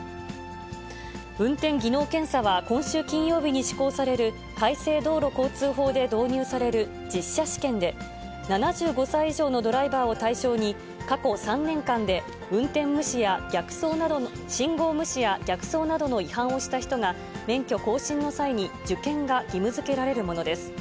運転技能検査は今週金曜日に施行される、改正道路交通法で導入される実車試験で、７５歳以上のドライバーを対象に、過去３年間で信号無視や逆走などの違反をした人が、免許更新の際に受験が義務づけられるものです。